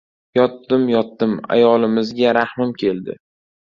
Yotdim-yotdim — ayolimizga rahmim keldi.